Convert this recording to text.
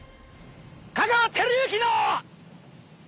「香川照之の」。